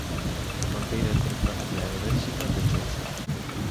A fronteira entre Francia e Bélxica pechouse.